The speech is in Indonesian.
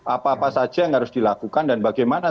apa apa saja yang harus dilakukan dan bagaimana